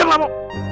eh diam kamu